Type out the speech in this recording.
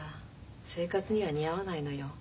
生活には似合わないのよ。